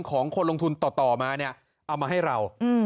ของคนลงทุนต่อมาเนี่ยเอามาให้เรา